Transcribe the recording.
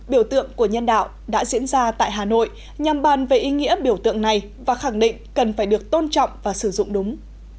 biểu tượng của nhân đạo đã diễn ra tại hà nội nhằm bàn về ý nghĩa biểu tượng này và khẳng định cần phải được tôn trọng và sử dụng đúng